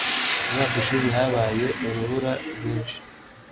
Umwaka ushize habaye urubura rwinshi